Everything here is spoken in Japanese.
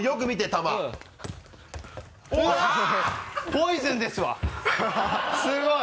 ポイズンですわすごい！